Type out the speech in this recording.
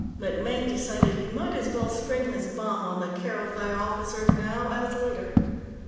MacMaine decided he might as well spring his bomb on the Kerothi officer now as later.